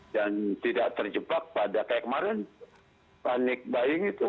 dan tidak terjebak pada kayak kemarin panik bayi gitu